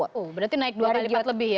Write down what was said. oh berarti naik dua kali lipat lebih ya